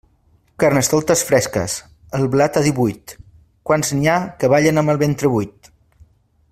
Carnestoltes fresques, el blat a divuit, quants n'hi ha que ballen amb el ventre buit.